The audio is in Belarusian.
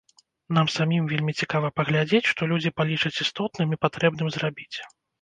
Нам самім вельмі цікава паглядзець, што людзі палічаць істотным і патрэбным зрабіць.